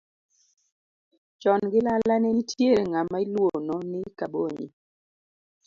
Chon gi lala ne nitiere ng'ama iluono ni Kabonyi.